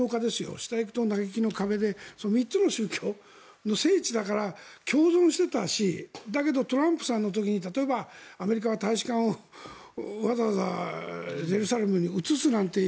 下へ行くと、嘆きの壁で３つの宗教の聖地だから共存してたしだけど、トランプさんの時に例えばアメリカは大使館をわざわざエルサレムに移すなんていう。